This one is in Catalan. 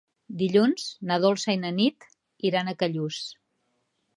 Dilluns na Dolça i na Nit iran a Callús.